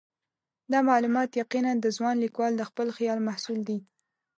دا معلومات یقیناً د ځوان لیکوال د خپل خیال محصول دي.